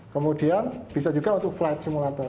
kemudian bisa juga untuk flight simulator